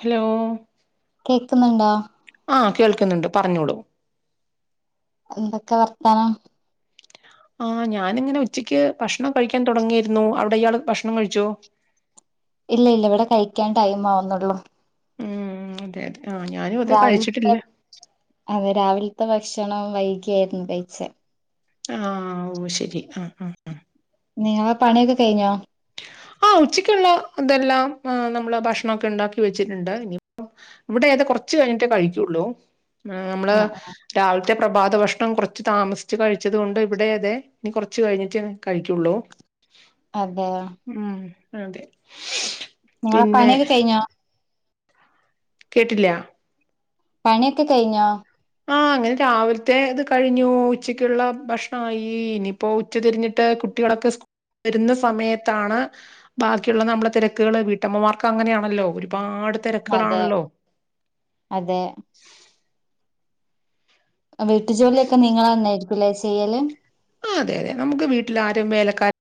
Hello കേക്കുന്നുണ്ടോ? ആഹ് കേൾക്കുന്നുണ്ട് പറഞ്ഞോളൂ. എന്തൊക്കെ വർത്താനം? ആഹ് ഞാനിങ്ങനെ ഉച്ചയ്ക്ക് ഭക്ഷണം കഴിക്കാൻ തുടങ്ങയിരുന്നു അവിടെ ഇയാൾ ഭക്ഷണം കഴിച്ചോ? ഇല്ല ഇല്ല ഇവിടെ കഴിക്കാൻ ടൈം ആവുന്നുള്ളൂ ഉം അതെ അതെ ആഹ് ഞാനും അത് രാവിലത്തെ കഴിച്ചിട്ടില്ല അതെ രാവിലത്തെ ഭക്ഷണം വൈകിയായിരുന്നു കഴിച്ചെ ആഹ് ഓഹ് ശരി ആഹ് ആഹ് ആഹ് നിങ്ങളെ പണിയൊക്കെ കഴിഞ്ഞോ ആ ഉച്ചക്കുള്ള ഇതെല്ലാം നമ്മള് ഭക്ഷണൊക്കെ ഉണ്ടാക്കി വെച്ചിട്ടുണ്ട് ഇനി ഇവിടെ ഇതേ കുറച്ച് കഴിഞ്ഞിട്ടേ കഴിക്കുള്ളൂ നമ്മള് ആ രാവിലത്ത പ്രഭാത ഭക്ഷണം കുറച്ച് താമസിച്ച് കഴിച്ചത് കൊണ്ട് ഇവിടെ അതേ ഇനി കുറച്ച് കഴിഞ്ഞിട്ടെ കഴിക്കൊള്ളൂ അതെയോ ഉം അതെ നിങ്ങളെ പിന്നെ പണിയൊക്കെ കഴിഞ്ഞോ? കേട്ടില്ല പണിയൊക്കെ കഴിഞ്ഞോ? ആഹ് അങ്ങനെ രാവിലത്തെ ഇത് കഴിഞ്ഞു ഉച്ചക്കുള്ള ഭക്ഷണമായി ഇനി ഇപ്പോ ഉച്ചതിരിഞ്ഞിട്ട് കുട്ടികളൊക്കെസ്‌കൂ വരുന്ന സമയത്താണ് ബാക്കിയുള്ള നമ്മളുടെ തിരക്കുകള് വീട്ടമ്മമാർക്ക് അങ്ങനെയാണല്ലോ ഒരുപാട് അതെ തിരക്കുകളാണല്ലോ അതെ വീട്ടു ജോലിയൊക്കെ നിങ്ങൾ തന്നായിയിരിക്കൂല്ലേ ചെയ്യല് ആഹ് അത അതെ നമുക്ക് വീട്ടിൽ ആരും വേലക്കാല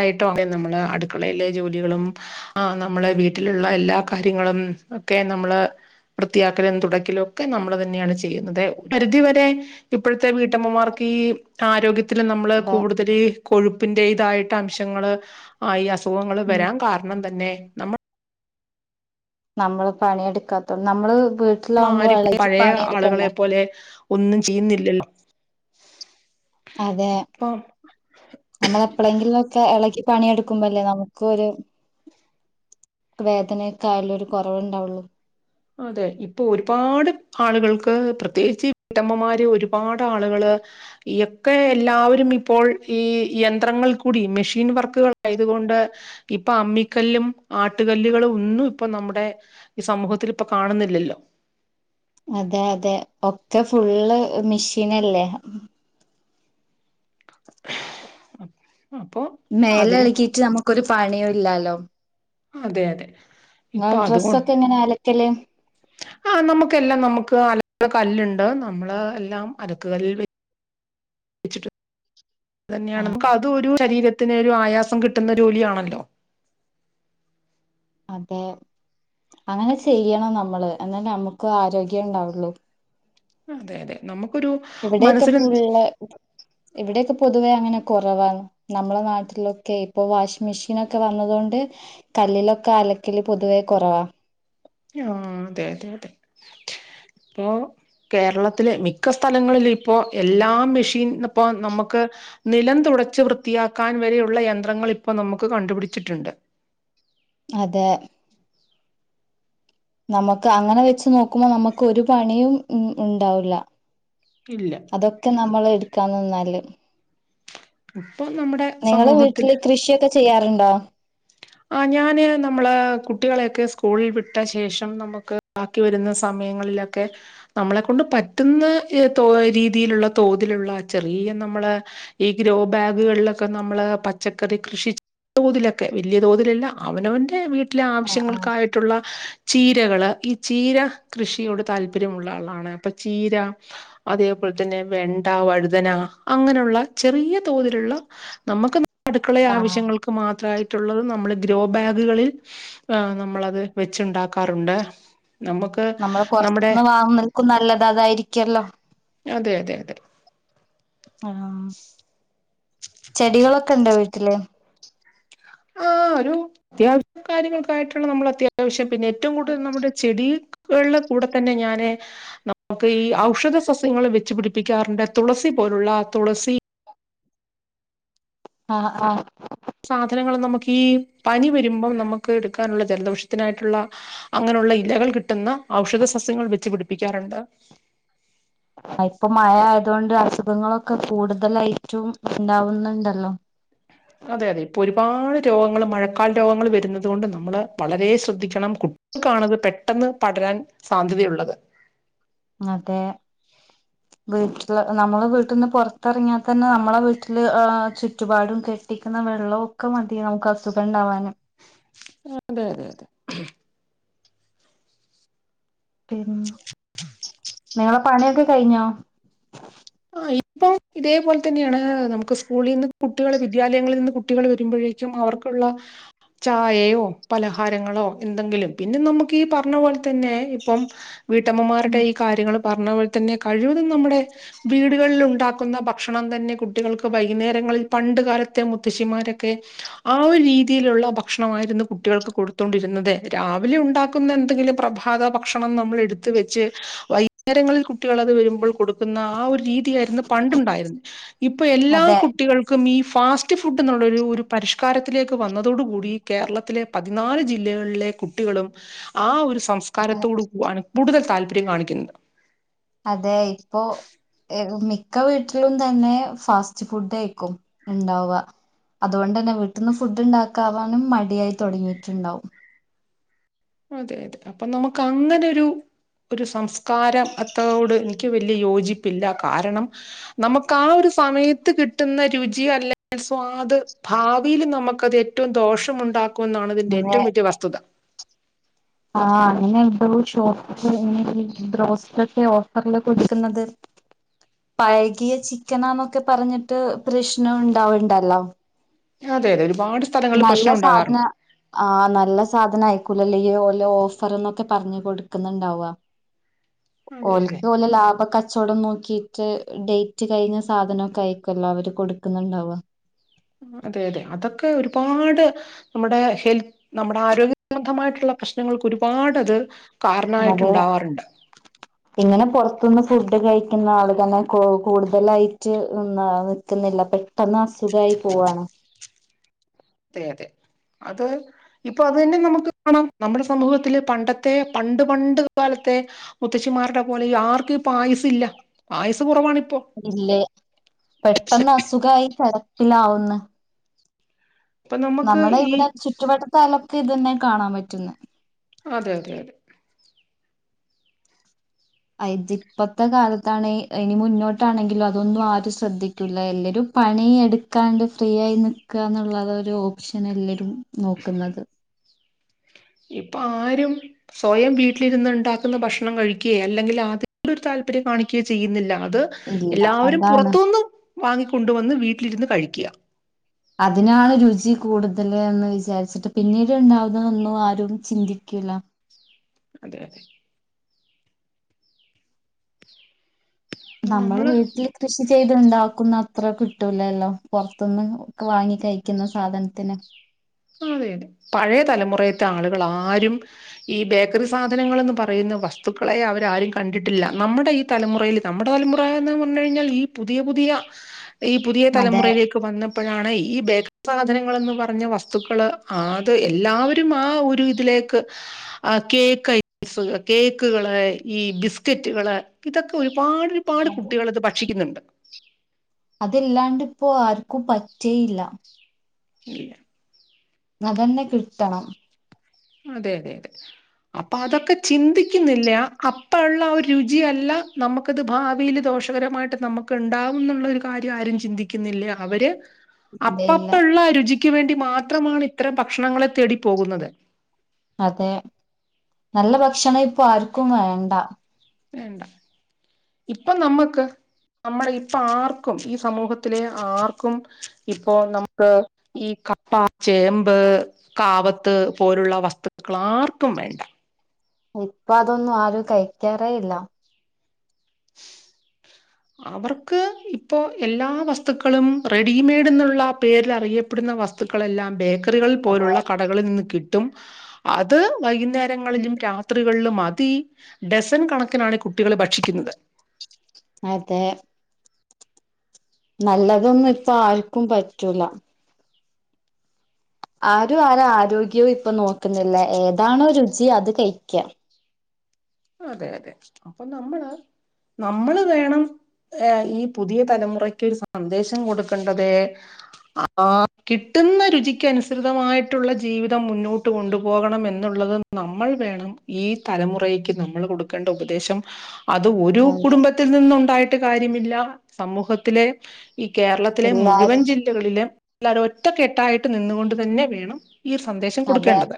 യിട്ടും നമ്മള് അടുക്കളയിലെ ജോലികളും ആ നമ്മെ വീട്ടിലുള്ള എല്ലാ കാര്യങ്ങളും ഒക്കെ നമ്മള് വൃത്തിയാക്കലും തുടക്കിലും ഒക്കെ നമ്മൾ തന്നെയാണ് ചെയ്യുന്നത്. പരിധിവരെ ഇപ്പോഴത്തെ വീട്ടമ്മമാർക്ക് ഈ ആരോഗ്യ ത്തി നമ്മള് അതെ കൂടുതൽ കൊഴുപ്പിൻന്റെ ഇതായിട്ട് അംശങ്ങള് ആഹ് ഈ അസുഖങ്ങള് ഉം വരാൻ കാരണം തന്നെ നമ്മൾ നമ്മള് പണിയെടുക്കാത്തോണ്ട് നമ്മള് വീട്ടി പ്പോ ആരും പഴയ ആളുകളെ പോലെ ഒന്നും ചെയ്യുന്നില്ലോ. അതെ നമ്മളെ എപ്പഴെങ്കിലും ഒക്കെ ഇളകി പണിയെടുക്കുമ്പോ അല്ലേ നമ്മുക്കൊരു വേദനക്കായുരു കുറവുണ്ടാവുള്ളൂ അതെ ഇപ്പൊ ഒരുപാട് ആളുകൾക്ക് പ്രത്യേകിച്ച് വീട്ടമ്മമാര് ഒരുപാട് ആളുകള് ഈ ഒക്കെ എല്ലാവരും ഇപ്പോൾ ഈ യന്ത്രങ്ങൾ കൂടി മെഷീൻ വർക്കുകൾ ആായതുകൊണ്ട് ഇപ്പൊ അമ്മിക്കല്ലും, ആട്ടുകല്ലുകളും ഒന്നും ഇപ്പൊ നമ്മുടെ ഈ സമൂഹത്തിൽ ഇപ്പൊ കാണുന്നില്ലല്ലോ അതെ അതെ ഒക്കെ ഫുള്ള് മെഷീൻല്ലേ അപ്പോ മേല ഇളക്കിട്ട് നമുക്കരു പണിയോ ഇല്ലാലോ അതെ അതെ ഇപ്പൊ ആഹ് അതുകൊണ്ട് ഡ്രസ്സൊക്കെ എങ്ങനെ അലക്കല് ആ നമുക്കെല്ലാം നമുക്ക് അല്ലക്കുന്ന കല്ലുണ്ട് നമ്മള് എല്ലാം അലക്ക് കല്ല് വെച്ചിട് അ ആ തന്നെയാണ് ആ, അത് ഒരു ശരീരത്തിന് ഒരു ആയാസം കിട്ടുന്ന ജോലിയാണല്ലോ അതെ അങ്ങനെ ചെയ്യണം നമ്മള് എന്നാലെ നമുക്ക് ആരോഗ്യം ഉണ്ടാവുള്ളു അതെ അതെ നമുക്കൊരു ഇവിടെയൊക്കെ മനസ്സിന് ഫുള്ള് ഇവിടെയൊക്കെ പൊതുവേ അങ്ങനെ കുറവാണ്. നമ്മളെ നാട്ടിലൊക്കെ ഇപ്പൊ വാഷിംഗ് മെഷീക്കെ വന്നതു കൊണ്ട് കല്ലിലൊക്കെ അലക്കല് പൊതുവേ കുറവാ ആഹ് അതെ അതെ ഓ കേരളത്തിലെ മിക്ക സ്ഥലങ്ങളിലും ഇപ്പോ എല്ലാം മെഷീൻ ഇപ്പൊ നമുക്ക് നിലം തുടച്ച്‌ വൃത്തിയാക്കാൻ വരെയുള്ള യന്ത്രങ്ങൾ ഇപ്പൊ നമുക്ക് കണ്ടുപിടിച്ചിട്ടുണ്ട്. അതെ. നമുക്ക് അങ്ങനെ വെച്ച് നോക്കുമ്പോ നമുക്ക് ഒരു പണിയും ഉ ഉണ്ടാവില്ല. ഇല്ല. അതൊക്കെ നമ്മൾ എടുക്കാനിന്നാല് ഇപ്പൊ നമ്മുടെ നിങ്ങള് സമൂഹത്തിൽ വീട്ടില് കൃഷിയൊക്കെ ചെയ്യാറുണ്ടോ? ആഹ് ഞാന് നമ്മള് കുട്ടികളെയൊക്കെ സ്കൂളിൽ വിട്ട ശേഷം നമുക്ക് ആഹ് ക്കി വരുന്ന സമയങ്ങളിലൊക്കെ നമ്മളെ കൊണ്ട് പറ്റുന്ന രീതിയിലുള്ള തോതിലുള്ള ചെറിയ നമ്മളെ ഈ ഗ്രോ ബാഗുകളിലൊക്കെ നമ്മള് പച്ചക്കറി കൃഷി തോതിലൊക്കെ വെല്ല്യേ തോതിലല്ല അവനവൻ്റെ വീട്ടിലെ ആഹ് ആഹ് ആവശ്യങ്ങൾക്കായി ട്ടുള്ള ചീരകള് ഈ ചീര കൃഷിയോട് താല്പര്യമുള്ള ആളാണ് അപ്പൊ ചീര അതേപോലെ തന്നെ വെണ്ട, വഴുതന അങ്ങനെള്ള ചെറിയ തോതില്ള്ള നമ്മക്ക് അടുക്കള ആഹ് ആവശ്യങ്ങൾക്ക് മാത്രമായിട്ടുള്ളത് നമ്മള് ഗ്രോ ബാഗുകളിൽ ആഹ് നമ്മളത് വെച്ചുണ്ടാക്കാറുണ്ട് നമുക്ക് നമ്മള് നമ്മുടെ പൊർത്തുന്ന് വാങ്ങ്നതിൽക്കും നല്ലത് അതായിരിക്കല്ലോ? അതെ അതെ അതെ ആഹ് ചെടികളൊക്കെ ഇണ്ടോ വീട്ടില്? ആഹ് ഒരു അത്യാവശ്യം കാര്യങ്ങൾക്കായിട്ടാണ് നമ്മൾ അത്യാവശ്യം പിന്നെ ഏറ്റവും കൂടുതൽ നമ്മുടെ ചെടിയിൽ ൾടെ കൂടെ തന്നെ ഞാന് നമുക്ക് ഈ ഔഷധ സസ്യങ്ങൾ വെച്ചു പിടിപ്പിക്കാറുണ്ട് തുളസി പോലുള്ള തുളസി ആഹ് ആഹ് സാധനങ്ങൾ നമുക്ക് ഈ പനി വരുമ്പം നമുക്ക് എടുക്കാനുള്ള ജലദോഷത്തിനായിട്ടുള്ള അങ്ങനെള്ള ഇലകൾ കിട്ടുന്ന ഔഷധ സസ്യങ്ങൾ വെച്ച് പിടിപ്പിക്കാറ്ണ്ട് ഇപ്പൊ മഴ ആയതൊണ്ട് അസുഖങ്ങളൊക്കെ കൂടുതലായിട്ടും ഉണ്ടാവുന്നുണ്ടല്ലോ? അതെ അതെ ഇപ്പൊ ഒരുപാട് രോഗങ്ങൾ മഴക്കാല രോഗങ്ങൾ വരുന്നത് കൊണ്ട് നമ്മള് വളരെ ശ്രദ്ധിക്കണം. ക്കാണത് പെട്ടെന്ന് പടരാൻ സാധ്യതയുള്ളത് അതെ വീട്ടില് നമ്മള് വീട്ടിന്ന് പോറത്തിറങ്ങിയാ തന്നെ നമ്മളെ വീട്ടില് ചുറ്റുപാടുംക്കെ കുടിക്കുന്ന വെള്ളവും ഒക്കെ മതിയാവും ക്ക അസുഖം ഇണ്ടാവാന് അതെ അതെ അതെ പിന്നെ നിങ്ങളെ പണിയൊക്കെ കഴിഞ്ഞോ? ആഹ് ഇപ്പം ഇതേപോലെ തന്നെണ് നമുക്ക് സ്കൂളിൽ നിന്ന് കുട്ടികൾ വിദ്യാലയങ്ങളിൽ നിന്ന് കുട്ടികൾ വരുമ്പഴേ ച്ചും അവർക്കുള്ള ചായയോ, പലഹാരങ്ങളോ എന്തെങ്കിലും പിന്നെ നമുക്ക് ഈ പറഞ്ഞ പോലെ തന്നെ ഇപ്പം വീട്ടമ്മമാരുടെ ഉം ഈ കാര്യങ്ങള് പർഞ്ഞ പോലെ തന്നെ കഴിവതും നമ്മുടെ വീടുകളിൽ ഉണ്ടാക്കുന്ന ഭക്ഷണം തന്നെ കുട്ടികൾക്ക് വൈകുന്നേരങ്ങളിൽ പണ്ട് കാലത്തെ മുത്തശ്ശിമാരൊക്കെ ആഹ് ഒരു രീതിയിലുള്ള ഭക്ഷണമായിരുന്നു കുട്ടികൾക്ക് കൊടുത്തോണ്ടിരുന്നത് രാവിലെ ഉണ്ടാക്കുന്ന എന്തെങ്കിലും പ്രഭ സാധാ ഭക്ഷണം നമ്മൾ എടുത്ത് വെച്ച് വൈകുന്നേരങ്ങളിൽ കുട്ടികളത് വരുമ്പോൾ കൊടുക്കുന്ന ആഹ് ഒരു രീതിയായിരുന്നു പണ്ട് ഉണ്ടായിരുന്നത് ഇപ്പൊ എല്ലാ അതെ കുട്ടികൾ ക്കും ഈ ഫാസ്റ്റ് ഫുഡ് ഇന്നുള്ളൊരു ഒരു പരിഷ്കാരത്തിലേക്ക് വന്നതോടുകൂടി കേരളത്തിലെ പതിനാല് ജില്ലകളിലെ കുട്ടികളും ആഹ് ഒരു സ് അതെ സംസ്കാരത്തോട് [unintelligible] കൂടുതൽ താല്പര്യം കാണിക്കുന്നത് അതെ ഇപ്പോ മിക്ക വീട്ടിലും തന്നെ ഫാസ്റ്റ് ഫുഡയ്ക്കും ഇണ്ടാവ അതുകൊണ്ട് തന്നെ വീട്ടിന്ന് ഫുഡ് ഇണ്ടാക്കാനും മടിയായി തോടങ്ങിട്ട്ണ്ടാവും. അതെ അതെ അപ്പൊ നമുക്ക് അങ്ങനൊരു ഒരു സംസ്കാരത്തോട് എനിക്ക് വെല്യേ യോജിപ്പില്ല കാരണം നമ്മക്ക് ആഹ് ഒരു സമയത്ത് കിട്ടുന്ന രുചി അല്ലെങ്കി സ്വാദ് ഭാവിയില് നമ്മക്കത് ഏറ്റവും ദോഷം ഉണ്ടാക്കുന്നാണ് ഇതിന്റെ അങ്ങനെ ഏറ്റവും വെല്യേ വസ്തുത ആഹ് അങ്ങനെണ് [unintelligible] ബ്രോസ്‌റ്റോക്കെ ഓഫർല് കൊടുക്കുന്നത് പഴകിയ ചിക്കനാന്നൊക്കെ പറഞ്ഞിട്ട് പ്രശ്നം ഉണ്ടാവ്ണ്ടല്ലോ? അതെ അതെ ഒരുപാട് സ്ഥലങ്ങളിൽ പ്രശ്നം ഉണ്ടാകാറുണ്ട്. ആ നല്ല സാനം ആയിക്കൂലലെ ഈ ഓൽ ഓഫർ എന്നൊക്കെ പറഞ്ഞ് കൊട്ക്ക്ന്ന് ഇണ്ടാവാ അതെ അതെ ഓൽക്ക് ഓലെ ലാഭ കച്ചോടം നോ ക്കെറ്റ് ഡെയിറ്റ് കഴിഞ്ഞ സാധനൊക്കെ ആയിരിക്കോല്ലോ അവര് കൊട്ക്ക്ന്ന് ഇണ്ടാവാ. അതെ അതെ അതൊക്കെ ഒര്പാട്. നമ്മുടെ ഹെൽ നമ്മുടെ ആരോഗ്യ സംബന്ധമായിട്ടുള്ള പ്രശ്നങ്ങൾക്ക് ഒര്പാട് അത്. കാറണം ആയിട്ട് അതെ ഇണ്ടാവാർ ഇണ്ട്. ഇങ്ങനെ പൊർത്ത്ന്ന് ഫുഡ് കഴിക്കുന്ന ആൾ തന്നെ കൂ കൂട്തലായിട്ട് നിന്നാ നിക്ക്ന്നില്ല പെ ട്ടെന്ന് അസുഖായി പോവാണ്. അതെ അതെ അത്. ഇപ്പം അത് തന്നെ നമുക്ക് കാണാം നമ്മുടെ സമൂഹത്തില് പണ്ടത്തെ പണ്ട് പണ്ട് കാലത്തെ. മുത്തശ്ശിമാരുടെ പോലെ ആർക്കും ഇപ്പ ആയുസ് ഇല്ല ആയുസ് കൊറവാണിപ്പോ. ഇല്ലെ പെട്ടന്ന് അസുഖായി കെടപ്പിലാവുന്ന്. ഇപ്പൊ നമുക്ക് നമ്മുടെ ഈ ഇവടെ ചുറ്റുവട്ടത്തായാലൊക്കെ ഇതെന്നെ കാണാൻ പറ്റുന്നെ. അതെ അതെ അതെ. അഹ്ര്തി ഇപ്പത്തെ കാലത്താണ് ഇനി മുന്നോട്ടാണെങ്കിലും അതൊന്നും ആരും ശ്രദ്ധി ക്കൂലാ എല്ലരും പണി എടുക്കാണ്ട് ഫ്രീ ആയി നിക്കാന്ന് ഇള്ളെത് ഒരു ഓപ്ഷെൻ എല്ലരും. നോക്ക്ന്നെത്. ഇപ്പ ആരും. സ്വയം വീട്ടിൽ ഇര്ന്ന് ഇണ്ടാക്കുന്ന ഭക്ഷണം കഴിക്കെ അല്ലെങ്കിൽ അതിൽ ഒരു താല്പര്യം കാണിക്കുകയോ ചെയ്യുന്നില്ല അത്. ഇല്ല എല്ലാവരും അതാണ് പുറത്തുന്ന് വാങ്ങിക്കൊണ്ട് വന്ന് വീട്ടിൽ ഇരുന്ന് കഴിക്ക്യാ അതിനാണ് രുചി കൂട് തെൽന്ന് വിചാരിച്ചിട്ട് പിന്നീട് ഇണ്ടാവുന്ന തൊന്നും ആരും ചിന്തിക്കൂലാ അതെ അതെ. അപ്പൊ നമ്മൾ നമ്മള് വീട്ടിൽ കൃഷി ചെയ്ത് ഇണ്ടാക്കുന്ന അത്ര കിട്ടൂലല്ലോ പൊറത്ത്ന്ന് ഒക്കെ വാങ്ങി കഴിക്ക്ന്ന സാധൻത്തിന്. അതെ അതെ പഴെ തലമുറെത്തെ ആളുകൾ ആരും. ഈ ബേക്കറി സാധനങ്ങൾന്ന് പറയുന്ന വസ്തുക്കളെ അവരാരും കണ്ടിട്ട് ഇല്ല നമ്മുടെ ഈ തലമുറെൽ നമ്മുടെ തലമുറയെന്ന് പർണ് കഴിഞ്ഞാൽ ഈ പുതിയ പുതിയ. ഈ പുതിയ അതെ തലമുറയിലേക്ക് വന്നപ്പഴാണ് ഈ ബേക് സാധനങ്ങൾ എന്ന് പറഞ്ഞ വസ് തുക്കെൾ ആത് എല്ലാവരും ആ ഒരു ഇതിലേക്ക് ആ കേക്ക് ആ സ് കേക്ക്കൾ ഈ ബിസ്ക്കെറ്റുകൾ ഇതൊക്കെ ഒരുപാട്. പാട് അതെ കുട്ടികൾ ഇത് ഭക്ഷിക്ക്ന്ന് ഇണ്ട്. അത് ഇല്ലാണ്ട് ഇപ്പോ ആർക്കും പറ്റേ ഇല്ല. ഇല്ല. അതെന്നെ കിട്ടെണം. അതെ അതെ അതെ അപ്പ അതൊക്കെ ചിന്തിക്ക്ന്നില്ല അപ്പ ഇള്ള ആ രുചി അല്ല. നമ്മുക്ക് ഇത് ഭാവിയിൽ ദോഷകരമായിട്ട് നമ്മുക്ക് ഇണ്ടാവും ഇന്ന് ഇള്ള ഒരു കാര്യം ആരും ചിന്തിക്കുന്നില്ല അവര്. അപ്പ ഇല്ല അപ്പ ഇള്ള രുചിക്ക് വേണ്ടി മാത്രമാണ് ഇത്തരം ഭക്ഷണങ്ങളെ തേടി പോകുന്നെത്. അതെ നല്ല ഭക്ഷണം ഇപ്പൊ ആര്ക്കും വേണ്ടാ വേണ്ടാ ഇപ്പം നമ്മക്ക്. നമ്മളെ ഇപ്പ ആർക്കും ഈ സമൂഹത്തിലെ ആർക്കും. ഇപ്പൊ നമുക്ക് ഈ കപ്പ, ചേമ്പ് കാവത്ത് പോലുള്ള വസ്തുക്കളാർക്കും വേണ്ട. ഇപ്പ അതൊന്നും ആരും കഴിക്കാറേയില്ല അവർക്ക് ഇപ്പോ എല്ലാ വസ്തുക്കളും റെഡിമെയ്ഡ്ന്നുള്ള പേരിലറിയപ്പെടുന്ന വസ് തുക്കളെല്ലാം ബേക്കറികളിൽ അതെ പോലുള്ള കടകളിൽ നിന്ന് കിട്ടും അത് വൈകുന്നേരങ്ങളിലും രാത്രികളിലും അതി ഡസൻ കണക്കിനാണ് കുട്ടികള് ഭക്ഷിക്കുന്നത് അതെ നല്ലതൊന്നും ഇപ്പാർക്കും പറ്റൂല ആരും ആരാരോഗ്യവും ഇപ്പൊ നോക്കുന്നില്ല ഏതാണോ രുചി അത് കഴിക്ക അതെ അതെ അപ്പൊ നമ്മള് നമ്മള് വേണം ഏഹ് ഈ പുതിയ തലമുറക്കൊരു സന്ദേശം കൊടുക്കേണ്ടത് ആഹ് കിട്ടുന്ന രുചിക്ക് അനുസൃതമായിട്ടുള്ള ജീവിതം മുന്നോട്ട് കൊണ്ടുപോകണം എന്നുള്ളത് നമ്മൾ വേണം ഈ തലമുറയ്ക്ക് നമ്മൾ കൊടുക്കേണ്ട ഉപദേശം അത് ഒരു അതെ കുടുംബ ത്തിൽ നിന്നുണ്ടായിട്ട് കാര്യമില്ല സമൂഹത്തിലെ ഈ കേരളത്തിലെ മുഴുവൻ എല്ലാരും ജി ല്ലകളിലെ എല്ലാവരും ഒറ്റക്കെട്ടായിട്ട് നിന്നുകൊണ്ട് തന്നെ വേണം ഈ ഒരു സന്ദേശം അതെ കൊടുക്കേണ്ടത്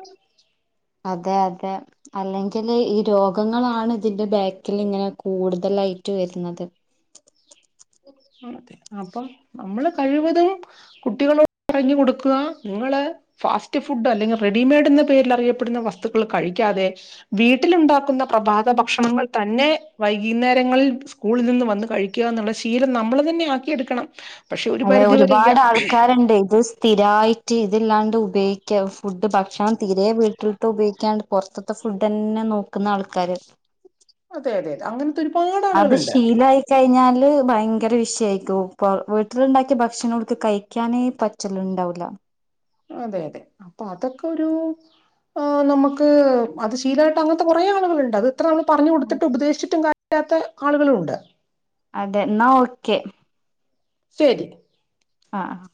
അതെയതെ അല്ലെങ്കില് ഈ രോഗ ങ്ങളാണ് ഇതിന്റെ ബാക്കിലിങ്ങനെ കൂടുതലായിട്ട് വരുന്നത് അതെ അപ്പം നമ്മള് കഴിവതും കുട്ടികളോട് പറഞ്ഞു കൊടുക്കുക ഇങ്ങള് ഫാസ്റ്റ് ഫുഡോ അല്ലെങ്കില് റെഡിമെയഡ് എന്ന പേരിൽ അറിയപ്പെടുന്ന വസ്തുക്കള് കഴിക്കാതെ വീട്ടിലുണ്ടാക്കുന്ന പ്രഭാത ഭക്ഷണങ്ങൾ തന്നെ വൈകുന്നേരങ്ങളിൽ സ്കൂളിൽ നിന്ന് വന്ന് കഴിക്കുകയെന്നുള്ള ശീലം നമ്മള് തന്നെ ആക്കിയെടുക്കണം പക്ഷെ ഒരു അതെ പരിധിവരെ ഇയ ഒരുപാട് ആൾക്കാര്ണ്ട് ഇത് സ്ഥിരായിട്ട് ഇതില്ലാണ്ട് ഉപയോഗ ക്കാവും ഫുഡ് ഭക്ഷണം തീരെ വീട്ടിലത്തെ ഉപയോഗിക്കാണ്ട് പൊറത്ത്ത്തെ ഫുഡ് തന്നെ നോക്കുന്ന ആൾക്കാര് അതെ അതെയതെ അങ്ങനത്തെ അത് ഒരുപാടാളുകള്ണ്ട് ശീലായി കഴിഞ്ഞാല് ഭയങ്കര വിഷയായിരിക്കും ഇപ്പ വീ ട്ടില്ണ്ടാക്കിയ ഭക്ഷണോൽക്ക് കഴിക്കാനേ പറ്റല്ണ്ടാവൂല്ല അതെ അതെ അപ്പൊ അതൊക്കൊരു ആഹ് നമുക്ക് അത് ശീലവായിട്ട് അങ്ങനത്തെ കൊറെയാളുകളുണ്ട് അത് എത്ര നമ്മള് പറഞ്ഞ് കൊടുത്തിട്ടും ഉപദേശിച്ചിട്ടും കര്യമില്ലാത്ത ആളുകളുമുണ്ട് അതെ ഇന്നാ ഓക്കെ ശരി ആഹ്